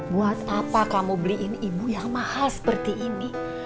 buat apa kamu beliin ibu yang mahal seperti ini